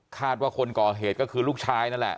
คนก่อเหตุก็คือลูกชายนั่นแหละ